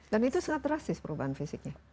dan itu sangat drastis perubahan fisiknya